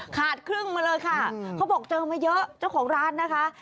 ครึ่งมาเลยค่ะเขาบอกเจอมาเยอะเจ้าของร้านนะคะ